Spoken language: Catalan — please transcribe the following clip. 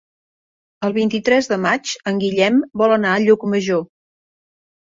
El vint-i-tres de maig en Guillem vol anar a Llucmajor.